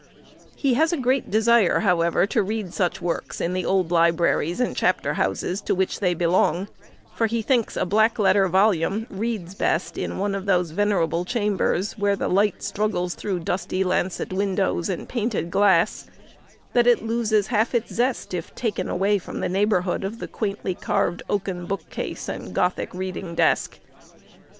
He has a great desire, however, to read such works in the old libraries and chapter houses to which they belong; for he thinks a black letter volume reads best in one of those venerable chambers where the light struggles through dusty lancet windows and painted glass; and that it loses half its zest if taken away from the neighbourhood of the quaintly carved oaken book case and Gothic reading desk.